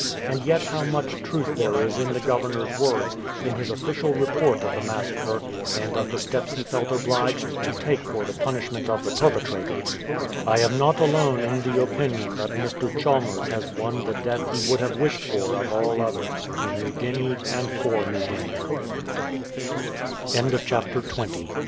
And yet how much truth there is in the Governor's words in his official report of the massacre and of the steps he felt obliged to take for the punishment of the perpetrators :" I am not alone in the opinion that Mr. Chalmers has won the death he 297 AUTHORITIES FOR NARRATIVE would have wished for of all others — in New Guinea and for Ne